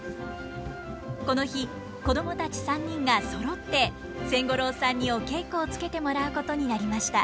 この日子供たち３人がそろって千五郎さんにお稽古をつけてもらうことになりました。